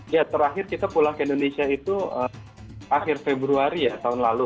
ya terakhir kita pulang ke indonesia itu akhir februari ya tahun lalu